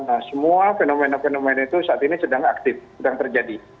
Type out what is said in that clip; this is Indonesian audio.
nah semua fenomena fenomena itu saat ini sedang aktif sedang terjadi